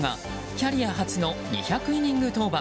キャリア初の２００イニング登板。